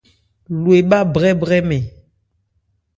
Lo ebhá brɛ́brɛmɛn.